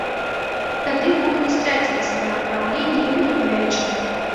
Тады вокны страцілі сваё апраўленне і былі павялічаны.